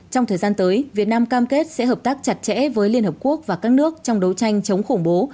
trong thời gian tới việt nam cam kết sẽ hợp tác chặt chẽ với liên hợp quốc và các nước trong đấu tranh chống khủng bố